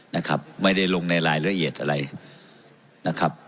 นะครับไม่ได้ลงในรายละเอียดอะไรนะครับ